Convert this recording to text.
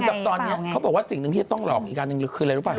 แต่ตอนนี้เขาบอกว่าสิ่งหนึ่งที่จะต้องหลอกอีกอันหนึ่งคืออะไรรู้ป่